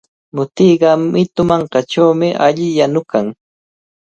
Mutiqa mitu mankachawmi alli yanukan.